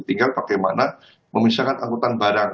tinggal bagaimana memisahkan angkutan barang